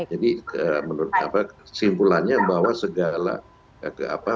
jadi menurut saya simpulannya bahwa segala pembangunan